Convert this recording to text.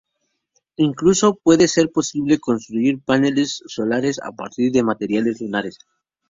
Incluso puede ser posible construir paneles solares a partir de materiales lunares.